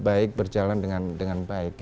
baik berjalan dengan baik